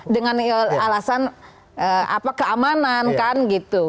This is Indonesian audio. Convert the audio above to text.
dengan alasan apa keamanan kan gitu